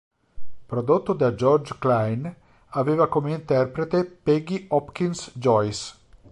Prodotto da George Kleine, aveva come interprete Peggy Hopkins Joyce.